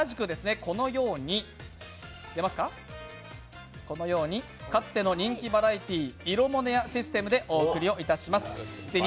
今回も前回と同じくかつての人気バラエティー「イロモネア」システムでお送りいたします。